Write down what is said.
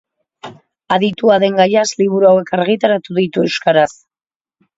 Aditua den gaiaz liburu hauek argitaratu ditu euskaraz.